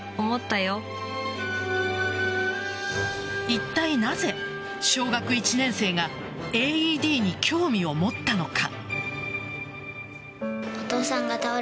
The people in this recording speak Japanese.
いったいなぜ小学１年生がＡＥＤに興味を持ったのか。